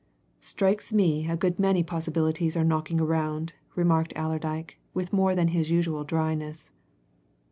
"Strikes me a good many possibilities are knocking around," remarked Allerdyke, with more than his usual dryness.